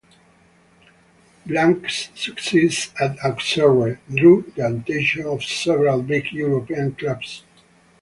Blanc's success at Auxerre drew the attention of several big European clubs.